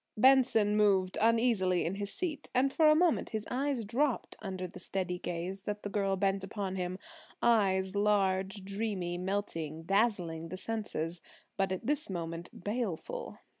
Benson moved uneasily in his seat, and for a moment his eyes dropped under the steady gaze that the girl bent upon him–eyes large, dreamy, melting, dazzling the senses, but at this moment baleful.